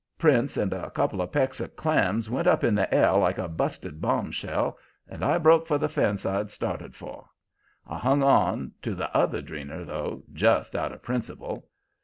Prince and a couple of pecks of clams went up in the air like a busted bomb shell, and I broke for the fence I'd started for. I hung on to the other dreener, though, just out of principle.